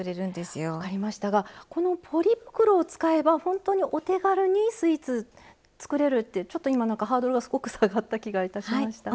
このポリ袋を使えば本当にお手軽にスイーツ作れるってちょっと今、ハードルがすごく下がった気がいたしました。